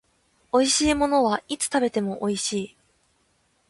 美味しいものはいつ食べても美味しい